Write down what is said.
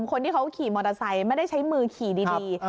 คนที่เขาขี่มอเตอร์ไซค์ไม่ได้ใช้มือขี่ดี